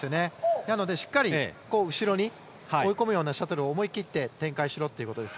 なのでしっかり後ろに追い込むようにしてシャトルを思い切って展開しろということです。